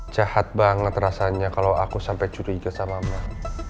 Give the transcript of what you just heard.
jahat banget rasanya kalau aku sampai curiga sama mbak